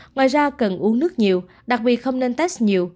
ngoài ra cần uống nước nhiều đặc vì không nên test nhiều